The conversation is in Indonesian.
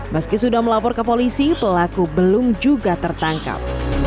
meski sudah melapor ke polisi pelaku belum juga tertangkap